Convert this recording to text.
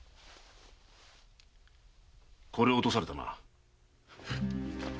これを落とされたかな。